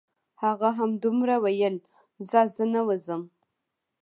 هغه همدومره وویل: ځه زه نه وځم.